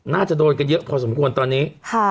น่าจะโดนกันเยอะพอสมควรตอนนี้